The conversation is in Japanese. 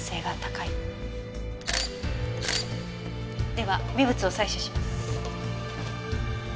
では微物を採取します。